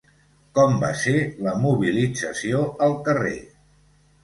Com va ser la mobilització al carrer?